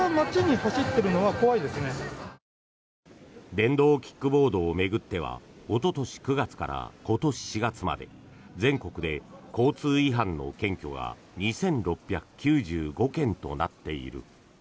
電動キックボードを巡ってはおととし９月から今年４月まで全国で交通違反の検挙が２６９５件となっている。